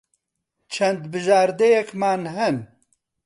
چەند بژاردەیەکمان ھەن.